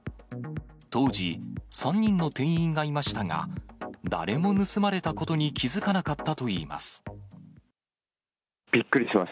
当時、３人の店員がいましたが、誰も盗まれたことに気付かなかったといいます。